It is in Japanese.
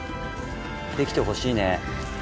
出来てほしいね。